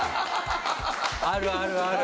あるあるある。